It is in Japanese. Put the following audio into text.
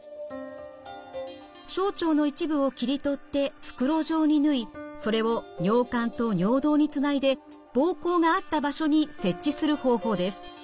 小腸の一部を切り取って袋状に縫いそれを尿管と尿道につないで膀胱があった場所に設置する方法です。